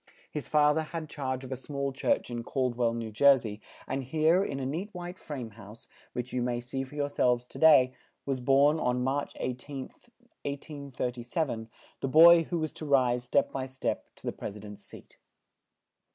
His fa ther had charge of a small church in Cald well, New Jer sey, and here, in a neat white frame house, which you may see for your selves to day, was born, on March 18th, 1837, the boy who was to rise, step by step, to the pres i dent's seat.